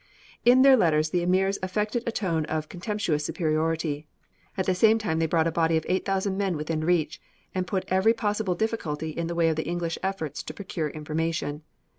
In their letters the emirs affected a tone of contemptuous superiority; at the same time they brought a body of 8000 men within reach, and put every possible difficulty in the way of the English efforts to procure information.